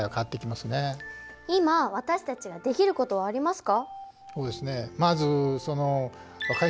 今私たちができることはありますか？